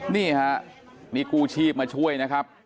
นี่ฮะนี่กู้ชีพมาช่วยนะครับ